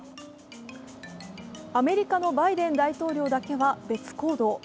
アメリカのバイデン大統領だけは別行動。